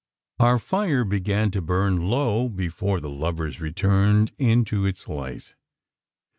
Our fire began to burn low, before the lovers returned into its light.